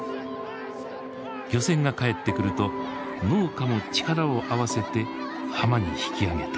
漁船が帰ってくると農家も力を合わせて浜に引き上げた。